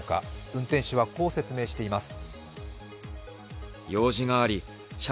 運転手はこう説明しています。